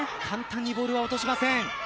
簡単にボールは落としません。